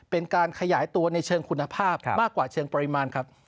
เป็นการขยายตัวในเชิงคุณภาพมากกว่าเชิงปริมาณครับ